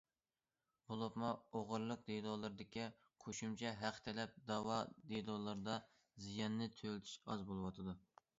بولۇپمۇ، ئوغرىلىق دېلولىرىدىكى قوشۇمچە ھەق تەلەپ دەۋا دېلولىرىدا زىياننى تۆلىتىش ئاز بولۇۋاتىدۇ.